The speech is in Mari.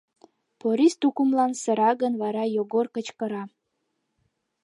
Порис тукымлан сыра гын, вара Йогор кычкыра: